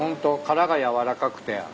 殻が軟らかくて。